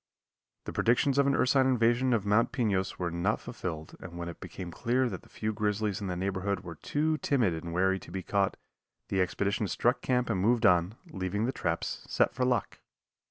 The predictions of an ursine invasion of Mount Pinos were not fulfilled and when it became clear that the few grizzlies in the neighborhood were too timid and wary to be caught, the expedition struck camp and moved on, leaving the traps set for luck.